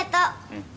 うん。